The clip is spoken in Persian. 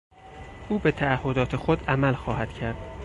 او به تعهدات خود عمل خواهد کرد.